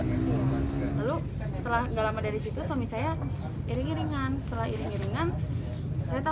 lalu setelah gak lama dari situ suami saya iring iringan